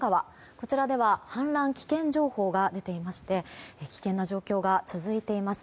こちらでは氾濫危険情報が出ていまして危険な状況が続いています。